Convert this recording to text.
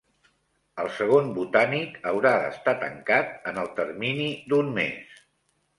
El segon Botànic haurà d'estar tancat en el termini d'un mes